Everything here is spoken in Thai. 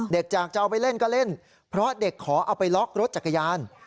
จากจะเอาไปเล่นก็เล่นเพราะเด็กขอเอาไปล็อกรถจักรยาน